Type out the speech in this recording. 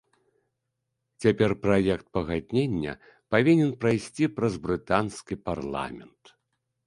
Цяпер праект пагаднення павінен прайсці праз брытанскі парламент.